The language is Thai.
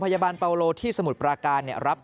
เพราะว่าเราอยู่ในเครือโรงพยาบาลกรุงเทพฯนี่ก็เป็นในระดับโลก